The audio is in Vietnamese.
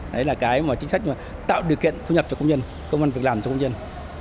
đấy là cái mà chính sách mà tạo điều kiện thu nhập cho công nhân công an việc làm cho công nhân